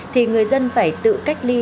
thì người dân phải tự cách ly